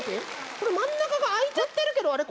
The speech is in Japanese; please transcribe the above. これまんなかがあいちゃってるけどあれ？